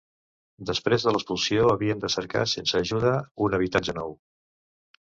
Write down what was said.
Després de l'expulsió havien de cercar sense ajuda, un habitatge nou.